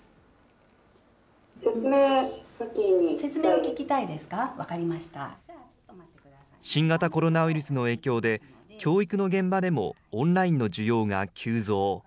説明を先に聞きたいですか、新型コロナウイルスの影響で、教育の現場でもオンラインの需要が急増。